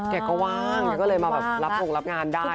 แกก็ว่างแกก็เลยมาแบบรับงงรับงานได้